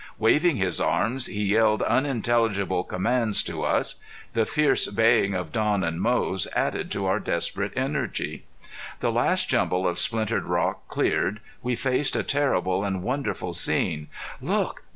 Waving his arms, he yelled unintelligible commands to us. The fierce baying of Don and Moze added to our desperate energy. The last jumble of splintered rock cleared, we faced a terrible and wonderful scene. "Look!